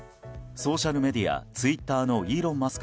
ソーシャルメディアツイッターのイーロン・マスク